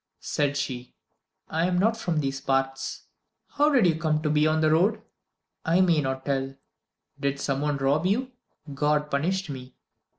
said she. "I am not from these parts." "But how did you come to be on the road?" "I may not tell." "Did some one rob you?" "God punished me."